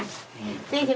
先生